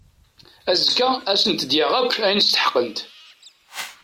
Azekka ad asent-d-yaɣ akk ayen steḥqent.